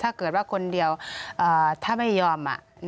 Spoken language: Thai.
ถ้าเกิดว่าคนเดียวถ้าไม่ยอม